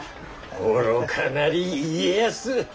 愚かなり家康。